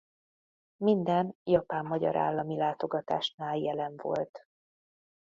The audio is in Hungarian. Minden japán-magyar állami látogatásnál jelen volt.